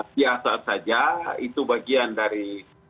biasa saja itu bagian dari